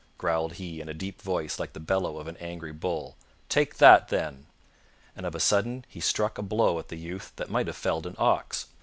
growled he in a deep voice like the bellow of an angry bull. "Take that, then!" And of a sudden he struck a blow at the youth that might have felled an ox.